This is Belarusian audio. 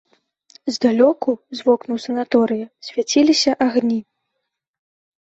Здалёку, з вокнаў санаторыя, свяціліся агні.